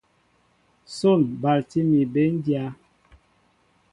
Son balti mi béndya.